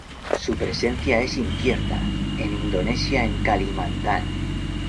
Su presencia es incierta en Indonesia en Kalimantan.